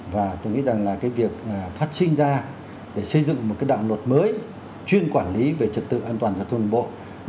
và tôi nghĩ rằng là cái việc phát sinh ra để xây dựng một cái đạo luật mới chuyên quản lý về trật tự an toàn giao thông đường bộ